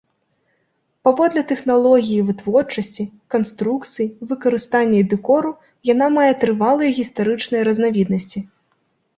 Паводле тэхналогіі вытворчасці, канструкцый, выкарыстання і дэкору яна мае трывалыя гістарычныя разнавіднасці.